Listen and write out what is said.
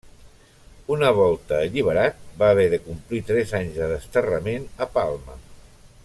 Una volta alliberat va haver de complir tres anys de desterrament a Palma.